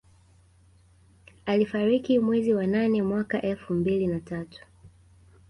Alifariki mwezi wa nane mwaka elfu mbili na tatu